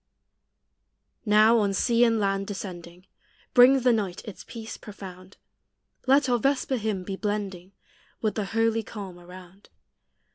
Now, on sea and land descending, Brings the night its peace profound: Let our vesper hymn be blending With the holy calm around.